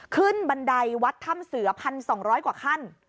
บันไดวัดถ้ำเสือ๑๒๐๐กว่าขั้น